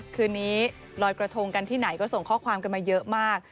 คืนนี้ลอยกระทงกันที่ไหนก็ส่งข้อความกันมาเยอะมาก